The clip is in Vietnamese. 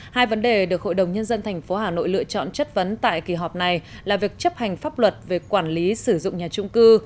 hai vấn đề được hội đồng nhân dân tp hà nội lựa chọn chất vấn tại kỳ họp này là việc chấp hành pháp luật về quản lý sử dụng nhà trung cư